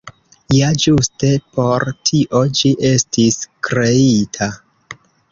Ja ĝuste por tio ĝi estis kreita.